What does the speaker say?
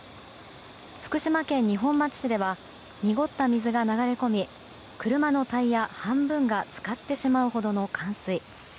福島県二本松市では濁った水が流れ込み車のタイヤ半分が浸かってしまうほどの冠水。